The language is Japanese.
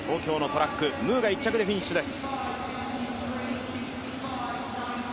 ムーが１着でフィニッシュです。